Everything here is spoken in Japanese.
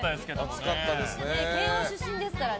慶応出身ですからね。